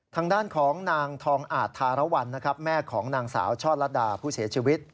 ทางด้านของนางทองอาจธารวรรณนะครับแม่ของนางสาวช่อลัดดาผู้เสียชีวิต